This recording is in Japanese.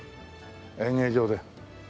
演芸場で。